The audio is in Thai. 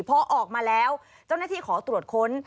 พอออกมาแล้วเจ้าหน้าที่ขอตรวจค้น